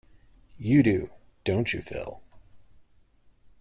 You do, don't you, Phil?